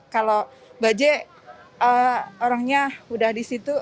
kalau bajaj orangnya udah disitu